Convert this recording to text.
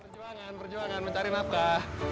perjuangan perjuangan mencari mapkah